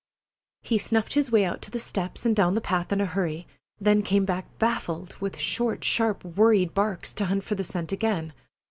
He snuffed his way out to the steps and down the path in a hurry, then came back baffled, with short, sharp, worried barks, to hunt for the scent again.